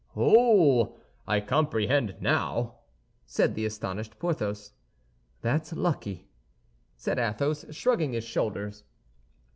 "Oh, I comprehend now," said the astonished Porthos. "That's lucky," said Athos, shrugging his shoulders.